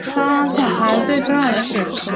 当小孩最重要的事